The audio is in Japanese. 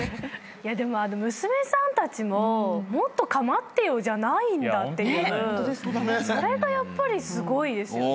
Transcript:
娘さんたちも「もっと構ってよ」じゃないんだって。それがやっぱりすごいですよね。